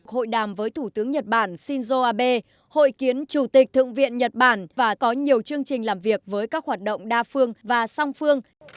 hội đàm với thủ tướng nhật bản shinzo abe hội kiến chủ tịch thượng viện nhật bản và có nhiều chương trình làm việc với các hoạt động đa phương và song phương